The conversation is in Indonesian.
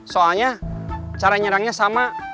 soalnya cara nyerangnya sama